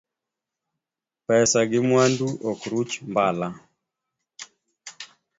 Pesa gi mwandu ok ruch mbala.